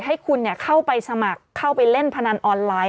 ให้คุณเข้าไปสมัครเข้าไปเล่นพนันออนไลน์